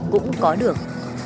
cũng có được